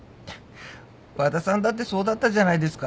和田さんだってそうだったじゃないですか。